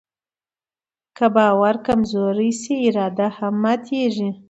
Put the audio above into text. که باور کمزوری شي، اراده هم ماتيږي.